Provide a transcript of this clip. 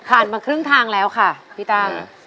มาครึ่งทางแล้วค่ะพี่ตั้ง